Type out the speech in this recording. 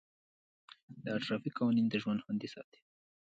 د ټرافیک قوانین د ژوند خوندي ساتي.